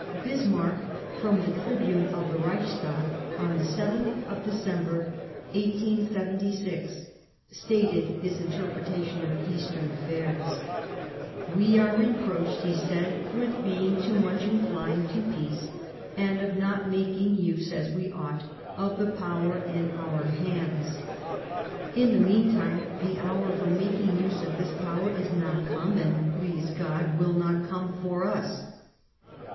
Bis marck, from the tribune of the Reichstag on the 7th of December, 1876, stated his interpretation of Eastern affairs, " We are reproached," he said, " with being too much incHned to peace, and of not making use, as we ought, of the power in our hands. In the mean time, the hour for making use of this power is not come and, please God, will not come for us.